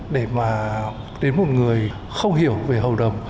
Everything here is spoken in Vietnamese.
để mà đến một người không hiểu về hầu đồng